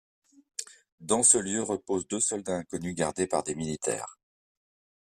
Dans ce lieu reposent deux soldats inconnus gardés par des militaires.